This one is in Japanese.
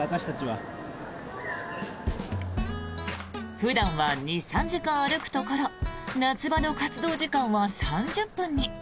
普段は２３時間歩くところ夏場の活動時間は３０分に。